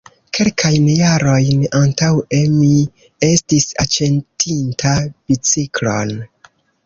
Kelkajn jarojn antaŭe mi estis aĉetinta biciklon.